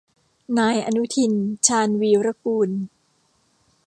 นายอนุทิน ชาญวีรกูล